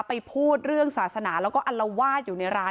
พูดเรื่องศาสนาแล้วก็อัลวาดอยู่ในร้าน